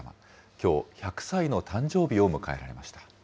きょう、１００歳の誕生日を迎えられました。